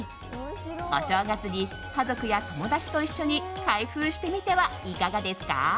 お正月に家族や友達と一緒に開封してみてはいかがですか？